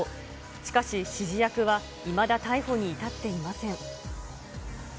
しかし、指示役はいまだ逮捕に至っていません。